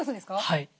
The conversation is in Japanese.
はい。